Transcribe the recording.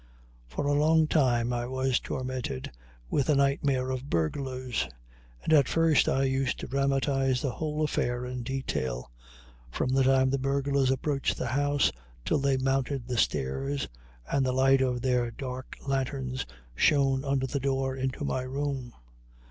For a long time I was tormented with a nightmare of burglars, and at first I used to dramatize the whole affair in detail, from the time the burglars approached the house till they mounted the stairs and the light of their dark lanterns shone under the door into my room.